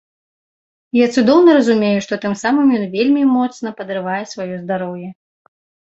Я цудоўна разумею, што тым самым ён вельмі моцна падрывае сваё здароўе.